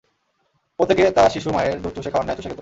প্রত্যেকে তা শিশু মায়ের দুধ চুষে খাওয়ার ন্যায় চুষে খেত।